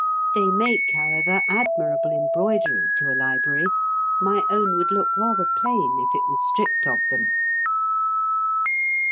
They make, however, admirable embroidery to a library. My own would look rather plain if it was stripped of them.